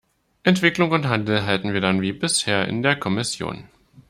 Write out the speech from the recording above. Entwicklung und Handel halten wir dann wie bisher in der Kommission.